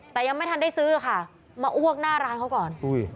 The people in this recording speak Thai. แต่ยังไม่ทันได้ซื้อค่ะมาอ้วกหน้าร้านเขาก่อน